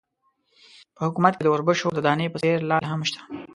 په حکومت کې د اوربشو د دانې په څېر لعل هم شته.